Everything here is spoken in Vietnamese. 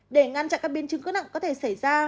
để ngăn chặn các biến chứng cứ nặng có thể xảy ra